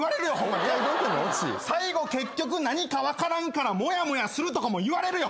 最後結局何か分からんからモヤモヤするとかも言われるよ。